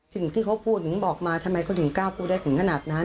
สิ่งที่เขาพูดถึงบอกมาทำไมเขาถึงกล้าพูดได้ถึงขนาดนั้น